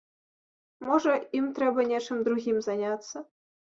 Можа, ім трэба нечым другім заняцца.